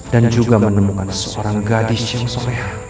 dan juga menemukan seorang gadis yang soleh